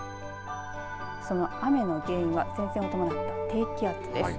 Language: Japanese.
その雨の原因は前線を伴った低気圧です。